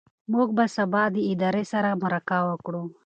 موږ به سبا د ادارې سره مرکه وکړو.